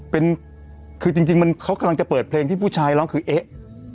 เป็นคือจริงมันเขากำลังจะเปิดเพลงที่ผู้ชายร้องคือเอ๊ะ